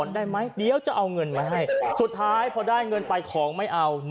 ได้ไหมเดี๋ยวจะเอาเงินมาให้สุดท้ายพอได้เงินไปของไม่เอา